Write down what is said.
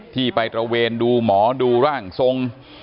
ที่ไปตระเวนดูหมอดูร่างทรง